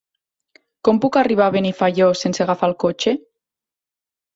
Com puc arribar a Benifaió sense agafar el cotxe?